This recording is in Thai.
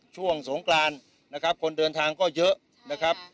ช่วงสงกรานนะครับคนเดินทางก็เยอะนะครับ